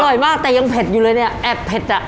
อร่อยมากแต่ยังเผ็ดอยู่เลยเนี่ยแอบเผ็ดอ่ะ